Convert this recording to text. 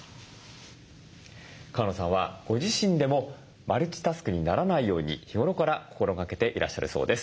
川野さんはご自身でもマルチタスクにならないように日頃から心がけていらっしゃるそうです。